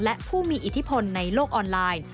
และผู้มีอิทธิพลในโลกออนไลน์